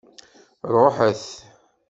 Ṛuḥet!